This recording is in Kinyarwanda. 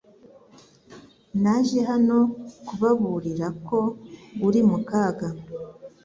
Naje hano kubaburira ko uri mu kaga.